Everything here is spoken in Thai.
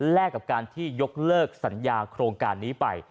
กับการที่ยกเลิกสัญญาโครงการนี้ไป